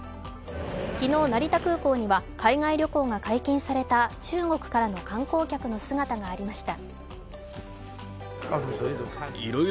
昨日、成田空港には海外旅行が解禁された中国からの観光客の姿がありました。